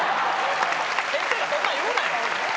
先生がそんなん言うなよ。